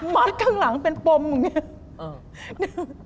มัดข้างหลังเป็นปมอย่างนี้